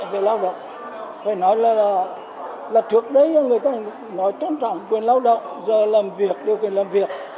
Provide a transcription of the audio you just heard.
về lao động phải nói là trước đây người ta nói tôn trọng quyền lao động giờ làm việc đều quyền làm việc